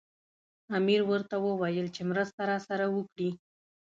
امیر ورته وویل چې مرسته راسره وکړي.